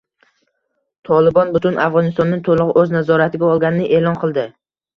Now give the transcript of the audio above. “Tolibon” butun Afg‘onistonni to‘liq o‘z nazoratiga olganini e’lon qildi